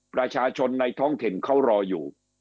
ประชาชนในท้องถิ่นเขารออยู่